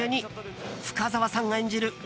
深澤さんが演じる